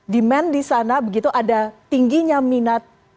demand di sana begitu ada tingginya minat